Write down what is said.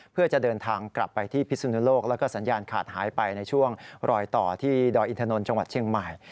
เพื่อจะเดินทางกลับไปที่พิสุนุโลกแล้วก็สัญญาณขาดหายไปในช่วงรอยต่อที่ดอยอินทนนท์จังหวัดเชียงใหม่